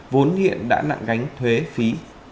vốn hiện đã nặng gánh thuế phí